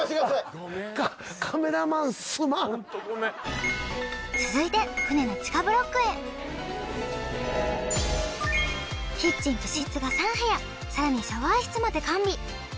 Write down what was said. ホントごめん続いて船の地下ブロックへキッチンと寝室が３部屋さらにシャワー室まで完備